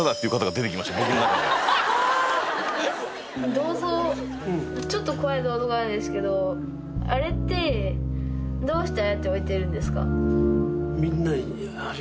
銅像ちょっと怖い銅像があるんですけどあれってどうしてああやって置いてるんですか？